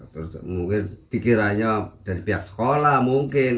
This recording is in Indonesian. terus mungkin dikiranya dari pihak sekolah mungkin